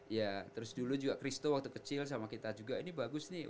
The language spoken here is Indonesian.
ya terus dulu juga christo waktu kecil sama kita juga ini bagus nih